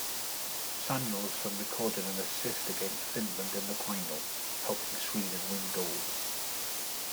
Samuelsson recorded an assist against Finland in the final, helping Sweden win gold.